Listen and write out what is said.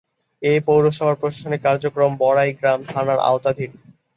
এ পৌরসভার প্রশাসনিক কার্যক্রম বড়াইগ্রাম থানার আওতাধীন।